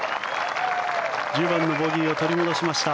１０番のボギーを取り戻しました。